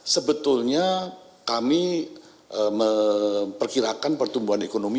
sebetulnya kami memperkirakan pertumbuhan ekonomi